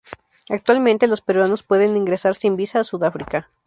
Actualmente los peruanos pueden ingresar sin visa a Sudáfrica.